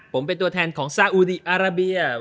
ผมเป็นตัวแทนของซาอุดีอาราเบีย